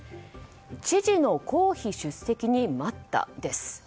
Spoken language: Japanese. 知事の公費出席に待ったです。